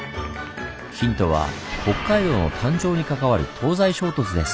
ヒントは北海道の誕生に関わる東西衝突です。